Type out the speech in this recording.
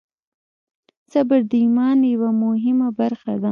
صبر د ایمان یوه مهمه برخه ده.